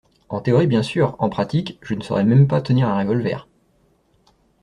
En théorie bien sûr, en pratique je ne saurais même pas tenir un revolver!